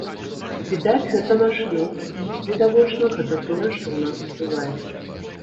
Відаць, гэта наш лёс і, відавочна, гэта тое, што ў нас адбываецца.